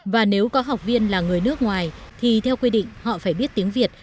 và nếu có học viên là người nước ngoài thì theo quy định họ phải biết tiếng việt